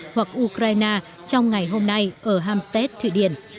hoặc ukraine trong ngày hôm nay ở hamstep thụy điển